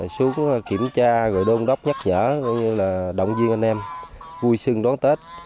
xuống kiểm tra gửi đơn đốc nhắc nhở gọi như là động viên anh em vui xuân đón tết